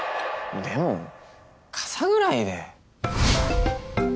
でも傘ぐらいで。